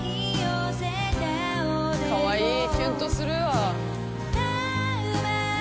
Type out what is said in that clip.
かわいいキュンとするわ。